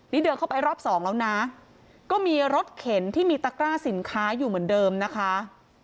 นี่เดินเข้าไปรอบสองแล้วนะก็มีรถเข็นที่มีตะกร้าสินค้าอยู่เหมือนเดิมนะคะ